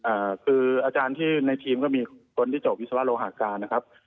อะคืออาจารย์ที่ในทีมก็มีคนที่โจปอธิบายวิทยาวะโลหะการนะครับ